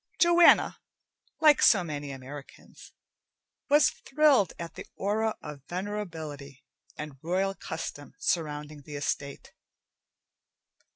Joanna, like so many Americans, was thrilled at the aura of venerability and royal custom surrounding the estate.